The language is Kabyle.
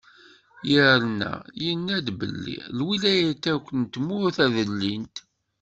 Yerna yenna-d belli: “Lwilayat akk n tmurt, ad ilint."